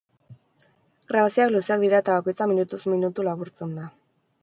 Grabazioak luzeak dira eta bakoitza minutuz minutu laburtzen da.